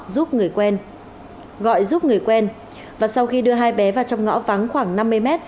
giúp người quen gọi giúp người quen và sau khi đưa hai bé vào trong ngõ vắng khoảng năm mươi m